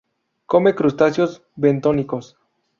Come crustáceos bentónicos.